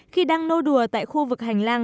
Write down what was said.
khi đang nô đùa tại khu vực hành lang